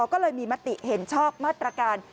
ก็เลยมีมติเห็นชอบมาตรการ